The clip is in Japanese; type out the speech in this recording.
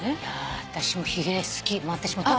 いやあたしもひげ好き。